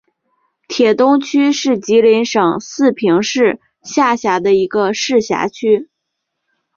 铁东区是吉林省四平市下辖的一个市辖区。